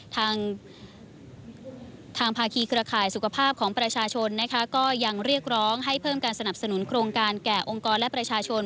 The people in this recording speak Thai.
ทางภาคีเครือข่ายสุขภาพของประชาชนนะคะก็ยังเรียกร้องให้เพิ่มการสนับสนุนโครงการแก่องค์กรและประชาชน